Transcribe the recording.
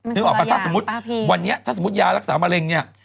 นึกออกปะถ้าสมมติวันนี้ยารักษามะเร็ง